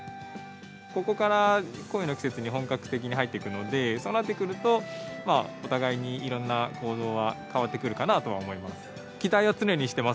ここから恋の季節に本格的に入っていくので、そうなってくると、お互いにいろんな行動が変わってくるかなとは思います。